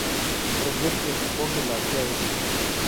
Rosebery replicó que lo había hecho.